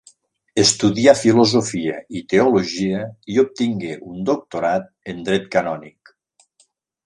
Estudià filosofia i teologia i obtingué un doctorat en dret canònic.